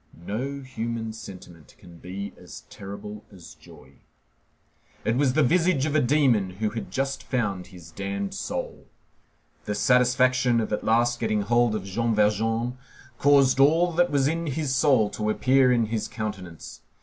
No human sentiment can be as terrible as joy. It was the visage of a demon who has just found his damned soul. The satisfaction of at last getting hold of Jean Valjean caused all that was in his soul to appear in his countenance.